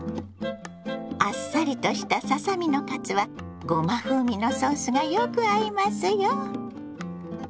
あっさりとしたささ身のカツはごま風味のソースがよく合いますよ。